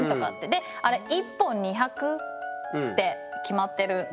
であれ１本２００って決まってる。